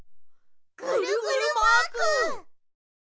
ぐるぐるマーク！